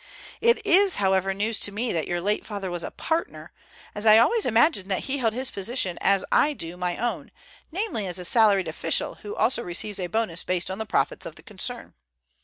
"It is, however, news to me that your late father was a partner, as I always imagined that he held his position as I do my own, namely, as a salaried official who also receives a bonus based on the profits of the concern.